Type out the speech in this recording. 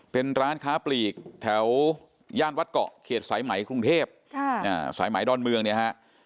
เป็นร้านค้าปลีกแถวย่านวัดเกาะเขตสายไหมกรุงเทพสายไหมดอนเมืองเนี่ยฮะ